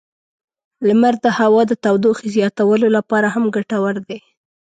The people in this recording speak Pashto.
لمر د هوا د تودوخې زیاتولو لپاره هم ګټور دی.